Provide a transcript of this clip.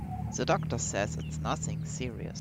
The doctor says it's nothing serious.